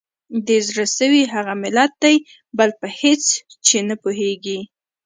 د زړه سوي هغه ملت دی بل په هیڅ چي نه پوهیږي